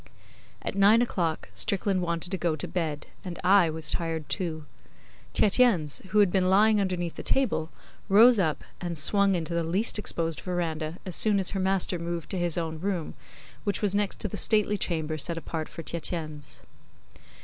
At nine o'clock Strickland wanted to go to bed, and I was tired too. Tietjens, who had been lying underneath the table, rose up, and swung into the least exposed verandah as soon as her master moved to his own room, which was next to the stately chamber set apart for Tietjens.